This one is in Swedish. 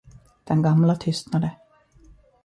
Den gamla tystnade.